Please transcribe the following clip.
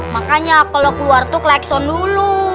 makanya kalo keluar tuh klekson dulu